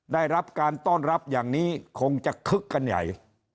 ได้รับการต้อนรับอย่างนี้คงจะคึกกันใหญ่